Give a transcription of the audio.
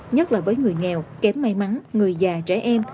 nhất là với người nghèo kém may mắn người già trẻ em